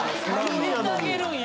行ってあげるんや。